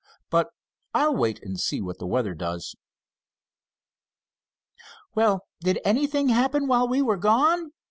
But I'll wait and see what the weather does." "Well, did anything happen while we were gone?"